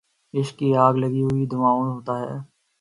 عشق کی آگ لگی ہو تو دھواں ہوتا ہے